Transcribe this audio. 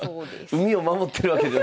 海を守ってるわけではないです。